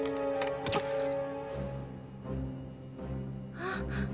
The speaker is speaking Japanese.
あっ。